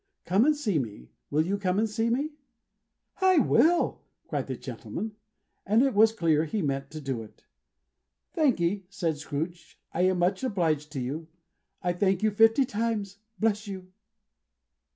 "Come and see me. Will you come and see me?" "I will!" cried the old gentleman. And it was clear he meant to do it. "Thank'ee," said Scrooge. "I am much obliged to you. I thank you fifty times. Bless you!"